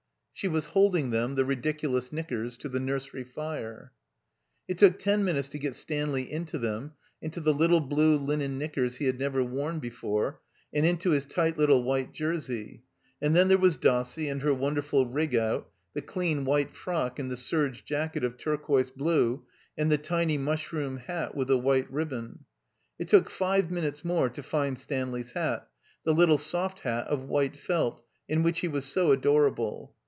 She was holding them, the ridiculous knickers, to the nursery fire. It took ten minutes to get Stanley into them, into the little blue linen knickers he had never worn before, and into his tight little white jersey; and then there was Dossie and her wonderful rig out, the dean, white frock and the serge jacket of tur quoise blue and the tiny mushroom hat with the white ribbon. It took five minutes more to find Stanley's hat, the little soft hat of white felt, in which he was so adorable.